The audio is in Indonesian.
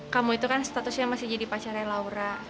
kamu itu kan statusnya masih jadi pacarnya laura